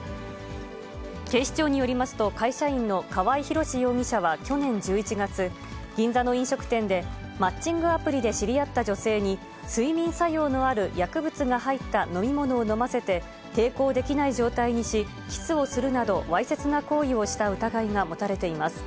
警視庁によりますと、会社員の河合宏容疑者は去年１１月、銀座の飲食店で、マッチングアプリで知り合った女性に、睡眠作用のある薬物が入った飲み物を飲ませて、抵抗できない状態にし、キスをするなどわいせつな行為をした疑いが持たれています。